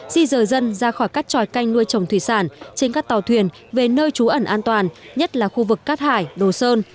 di rời dân ra khỏi các tròi canh nuôi trồng thủy sản trên các tàu thuyền về nơi trú ẩn an toàn nhất là khu vực cát hải đồ sơn